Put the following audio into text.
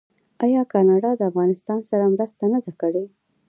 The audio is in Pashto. آیا کاناډا د افغانستان سره مرسته نه ده کړې؟